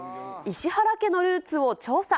石原家のルーツを調査。